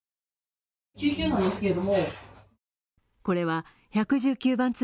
これは１１９番